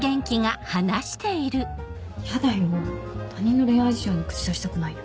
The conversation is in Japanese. ヤダよ他人の恋愛事情に口出したくないよ。